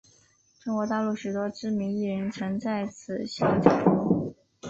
中国大陆许多知名艺人曾在此校就读。